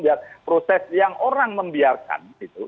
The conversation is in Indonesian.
biar proses yang orang membiarkan